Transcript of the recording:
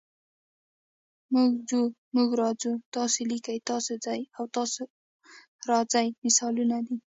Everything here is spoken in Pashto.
موږ ځو، موږ راځو، تاسې لیکئ، تاسو ځئ او تاسو راځئ مثالونه دي.